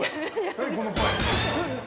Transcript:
何この声。